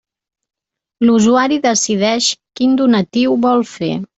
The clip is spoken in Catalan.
L'usuari decideix quin donatiu vol fer.